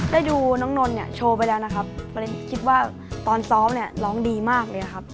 ได้ดูน้องนนท์เนี่ยโชว์ไปแล้วนะครับประเด็นคิดว่าตอนซ้อมเนี่ยร้องดีมากเลยครับ